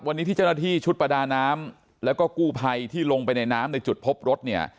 วันนี้ที่เจ้าหน้าที่ชุดประดาน้ำแล้วก็กู้ภัยที่ลงไปในน้ำในจุดพบรถเนี่ย